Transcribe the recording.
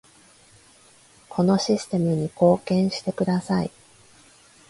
このシステムに貢献してください